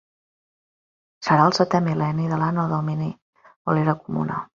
Serà el setè mil·lenni de l'Anno Domini o l'Era Comuna.